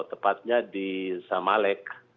tepatnya di zamalek